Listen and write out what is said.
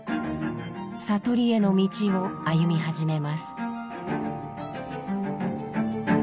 悟りへの道を歩み始めます。